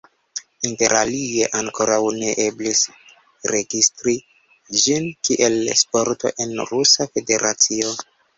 Interalie ankoraŭ ne eblis registri ĝin kiel sporto en Rusa Federacio.